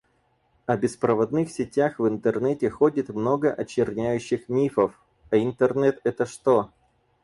«О беспроводных сетях в интернете ходит много очерняющих мифов». — «А интернет это что?»